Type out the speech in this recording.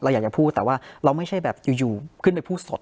อยากจะพูดแต่ว่าเราไม่ใช่แบบอยู่ขึ้นไปพูดสด